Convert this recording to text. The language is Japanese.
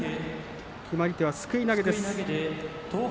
決まり手は、すくい投げです。